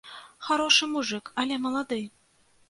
Харошы мужык, але малады.